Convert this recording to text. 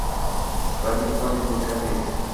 va siz muhandis boʻlsangiz